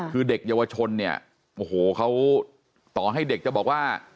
คือเด็กเยาวชนเนี่ยโอ้โหเขาต่อให้เด็กจะบอกว่า